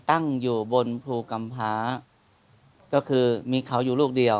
ตั้งอยู่บนภูกำพาก็คือมีเขาอยู่ลูกเดียว